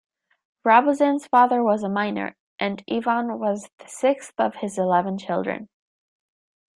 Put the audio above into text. Rabuzin's father was a miner, and Ivan was the sixth of his eleven children.